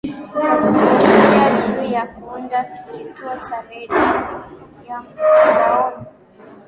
tutazungumzia juu ya kuunda kituo cha redio ya mtandaoni